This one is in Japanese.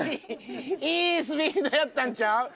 いいスピードやったんちゃう？